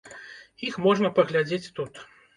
Іх можна паглядзець тут.